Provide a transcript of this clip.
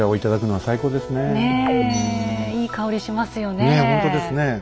ねえいい香りしますよねえ。